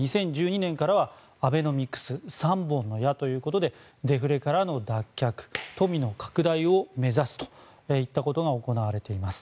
２０１２年からはアベノミクス３本の矢ということでデフレからの脱却富の拡大を目指すということが行われています。